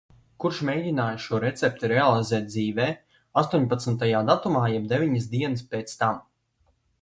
Kurš mēģināja šo recepti realizēt dzīvē. Astoņpadsmitajā datumā, jeb deviņas dienas pēc tam.